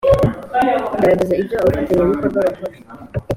kugaragaza ibyo abafatanyabikorwa bakora